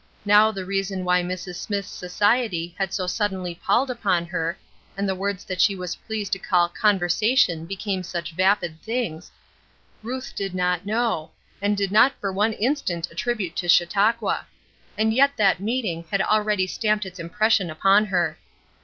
Now the reason why Mrs. Smithe's society had so suddenly palled upon her, and the words that she was pleased to call "conversation" become such vapid things, Ruth did not know, and did not for one instant attribute to Chautauqua; and yet that meeting had already stamped its impression upon her.